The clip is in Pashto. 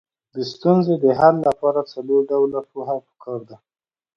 د ستونزې د حل لپاره څلور ډوله پوهه پکار ده.